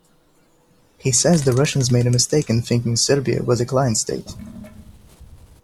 He says the Russians made a mistake in thinking Serbia was a client state.